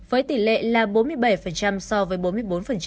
với tỷ lệ là bốn mươi bảy so với bốn mươi bốn